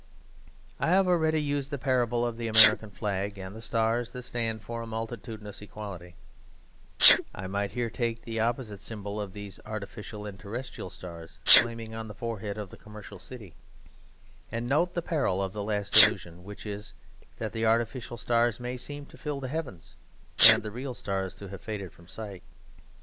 I have already used the parable of the American flag, and the stars that stand for a multitudinous equality; I might here take the opposite symbol of these artificial and terrestrial stars flaming on the forehead of the commercial city; and note the peril of the last illusion, which is that the artificial stars may seem to fill the heavens, and the real stars to have faded from sight.